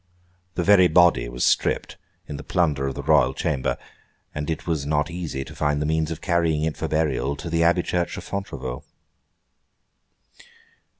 The very body was stripped, in the plunder of the Royal chamber; and it was not easy to find the means of carrying it for burial to the abbey church of Fontevraud.